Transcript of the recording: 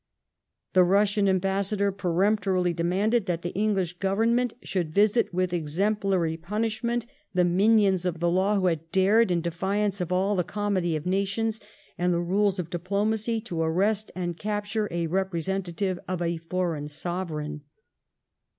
The Eussian ambassador peremptorily demanded that the English Government should visit with exemplary punishment the minions of the law who had dared, in defiance of all the comity of nations and the rules of diplomacy, to arrest and capture a repre sentative of a foreign Sovereign.